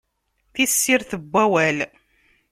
Tissirt n wawal!